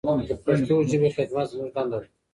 د پښتو ژبې خدمت زموږ دنده ده.